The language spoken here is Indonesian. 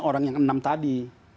orang yang enam tadi